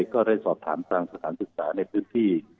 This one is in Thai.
ก็ได้สอบถามทางสถานศึกษาในพื้นที่